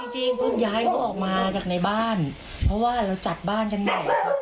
จริงเพิ่งย้ายเขาออกมาจากในบ้านเพราะว่าเราจัดบ้านกันใหญ่